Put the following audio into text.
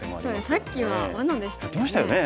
さっきはわなでしたね。